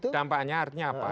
dampaknya artinya apa